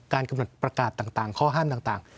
กำหนดประกาศต่างข้อห้ามต่าง